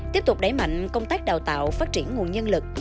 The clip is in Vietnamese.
tiếp tục đẩy mạnh công tác đào tạo phát triển nguồn nhân lực